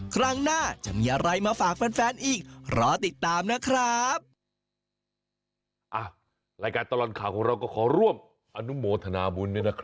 ครั้งหน้าจะมีอะไรมาฝากแฟนอีกรอติดตามนะครับ